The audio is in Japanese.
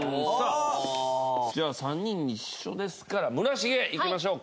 じゃあ３人一緒ですから村重いきましょうか。